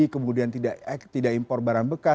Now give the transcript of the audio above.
kemudian tidak impor barang